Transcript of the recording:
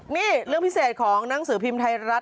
นี่เรื่องพิเศษของหนังสือพิมพ์ไทยรัฐ